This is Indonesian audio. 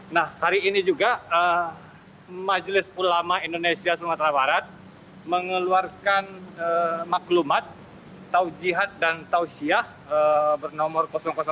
nah hari ini juga majelis ulama indonesia sumatera barat mengeluarkan maklumat tau jihad dan tausiyah bernomor